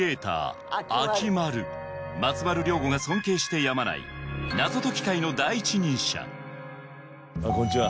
松丸亮吾が尊敬してやまない謎解き界の第一人者こんにちは。